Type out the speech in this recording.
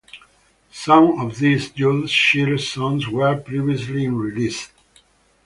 Some of these Jules Shear songs were previously unreleased.